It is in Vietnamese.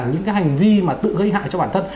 những cái hành vi mà tự gây hại cho bản thân